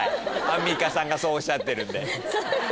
アンミカさんがそうおっしゃってるんで。